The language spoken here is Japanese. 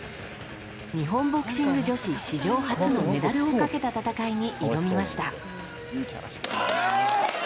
日本ボクシング女子史上初のメダルをかけた戦いに挑みました。